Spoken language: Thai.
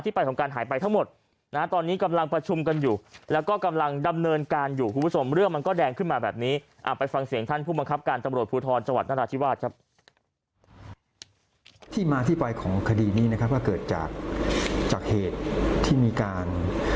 ที่มาที่ไปของคดีนี้นะครับก็เกิดจากเหตุที่มีการ